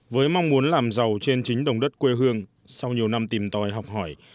với mong muốn làm giàu trên chính đồng đất quê hương sau nhiều năm tìm tòi học hỏi